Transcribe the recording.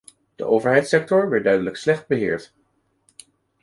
De overheidssector werd duidelijk slecht beheerd.